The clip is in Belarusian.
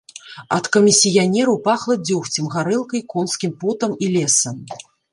Ад камісіянераў пахла дзёгцем, гарэлкай, конскім потам і лесам.